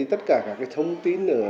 tất cả các thông tin